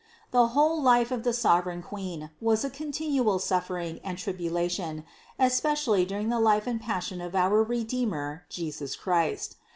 The whole life of the sovereign Queen was a con tinual suffering and tribulation, especially during the life and passion of our Redeemer, Jesus Christ.